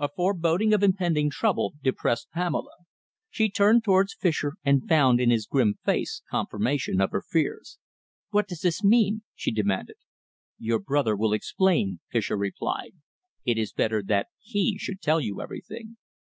A foreboding of impending trouble depressed Pamela. She turned towards Fischer and found in his grim face confirmation of her fears. "What does this mean?" she demanded. "Your brother will explain," Fischer replied. "It is better that he should tell you everything."